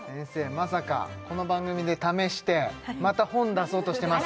まさかこの番組で試してまた本出そうとしてます？